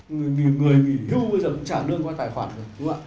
người nghỉ hưu bây giờ cũng trả lương qua tài khoản rồi đúng không ạ